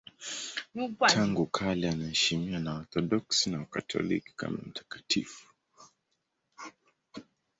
Tangu kale anaheshimiwa na Waorthodoksi na Wakatoliki kama mtakatifu.